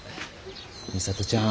美里ちゃん。